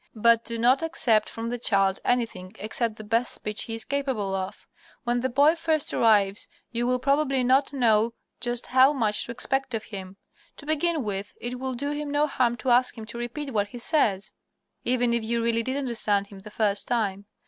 But do not accept from the child anything except the best speech he is capable of. When the boy first arrives you will, probably, not know just how much to expect of him. To begin with, it will do him no harm to ask him to repeat what he says, even if you really did understand him the first time.